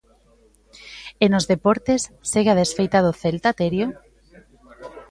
E nos deportes, segue a desfeita do Celta, Terio?